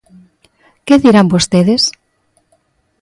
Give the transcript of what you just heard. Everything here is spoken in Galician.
¿Que dirán vostedes?